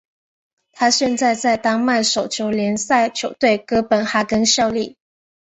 他现在在丹麦手球联赛球队哥本哈根效力。